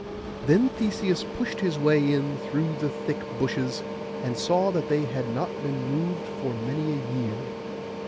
Then Theseus pushed his way in through the thick bushes, and saw that they had not been moved for many a year.